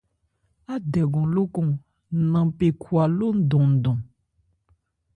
Ádɛgɔn lókɔn nanpé khwa ló ndɔnndɔn.